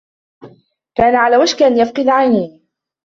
كان على وشك أن يفقد عينه.